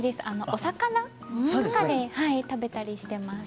お魚で食べたりしています。